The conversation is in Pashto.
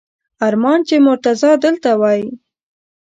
ارمان چې مرتضی دلته وای!